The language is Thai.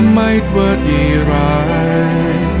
ไม่ว่าดีร้าย